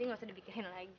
yofi gak usah dibikin lagi